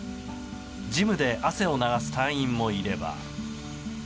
ジムで汗を流す隊員もいれば。